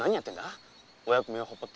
お役目をほっぽって。